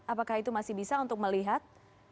apakah itu masih bisa untuk melihat